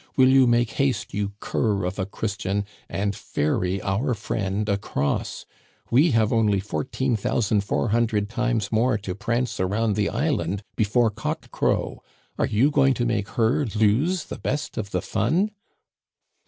will you make haste, you cur of a Christian, and ferry our friend across ? We have only fourteen thousand four hundred times more to prance around the island before cock crow. Are you going to make her lose the best of the fun